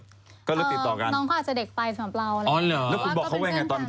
น้องเขาอาจจะเด็กไปสำหรับเราอะไรงี้